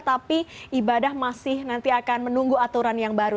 tapi ibadah masih nanti akan menunggu aturan yang baru